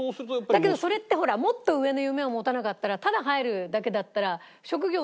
だけどそれってほらもっと上の夢を持たなかったらただ入るだけだったら職業になるわけ。